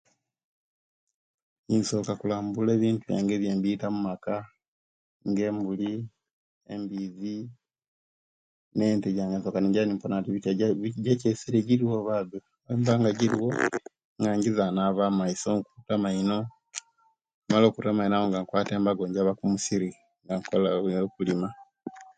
Nsoka kulambula ebintu biyange ebiyembita omaka nga embuli, embizi nente jange nsoka kujiwona jaceiseriye jiriwo oba be bwejibanga jiriwo nga ingiza naba omaiso, nkuta amaino bwemala okuta amaino nga nkwaya embago njaba kumusiri nkola biya kulima